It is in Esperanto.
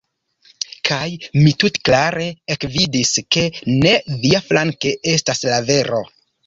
Kaj mi tute klare ekvidis, ke ne viaflanke estas la vero!